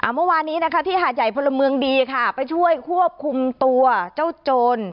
เมื่อวานนี้นะคะที่หาดใหญ่พลเมืองดีค่ะไปช่วยควบคุมตัวเจ้าโจร